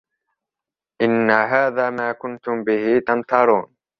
إِنَّ هَذَا مَا كُنْتُمْ بِهِ تَمْتَرُونَ